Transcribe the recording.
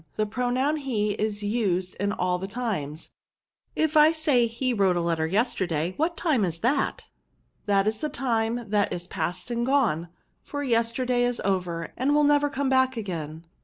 The pro noun he is used in all the times. If I say» he wrote a letter yesterday, what time is that?" ^' That is the time that is past and gone ; for yesterday is over, and wUl never come back again."